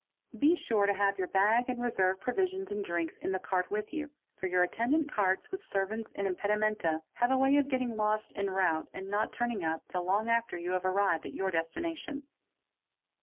Be sur to have your bag and reserve provisions and drinks in the cart witl you, for your attendant carts with servants and impedimenta (saman, have a way of getting lost en rowte and not turning up till long afte you have arrived at your destination.